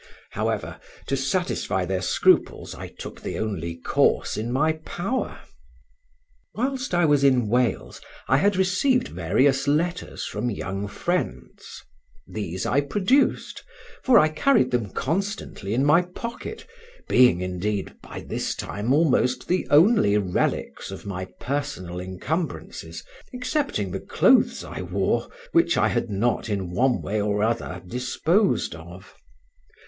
However, to satisfy their scruples, I took the only course in my power. Whilst I was in Wales I had received various letters from young friends; these I produced, for I carried them constantly in my pocket, being, indeed, by this time almost the only relics of my personal encumbrances (excepting the clothes I wore) which I had not in one way or other disposed of.